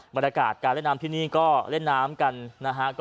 บรรยากาศการเล่นน้ำที่นี่ก็เล่นน้ำกันนะฮะ